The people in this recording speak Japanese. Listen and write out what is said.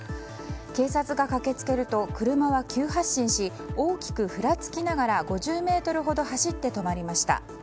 警察が駆けつけると車は急発進し大きくふらつきながら５０ｍほど走って止まりました。